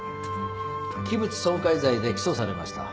器物損壊罪で起訴されました。